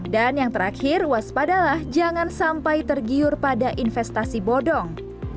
dan yang terakhir waspadalah jangan sampai tergiur pada investasi bodong